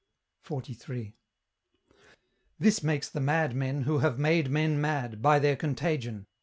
XLIII. This makes the madmen who have made men mad By their contagion!